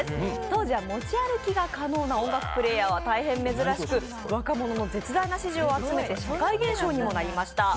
当時は持ち歩きが可能な音楽プレーヤーは大変珍しく、若者の絶大な支持を集めて社会現象にもなりました。